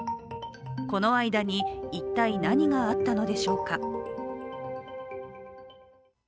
この間に一体何があったのでしょうか。